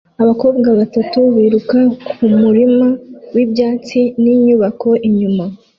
Abakobwa batatu biruka kumurima wibyatsi ninyubako inyuma